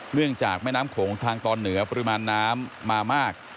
เนื่องจากแม่น้ำโขงทางตอนเหนือปริมาณน้ำมามาก